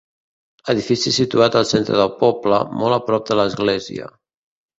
Edifici situat al centre del poble, molt a prop de l'església.